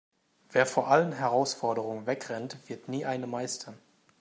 Wer vor allen Herausforderungen wegrennt, wird nie eine meistern.